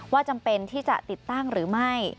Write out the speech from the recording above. จำเป็นที่จะติดตั้งหรือไม่